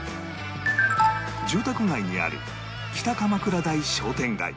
住宅街にある北鎌倉台商店街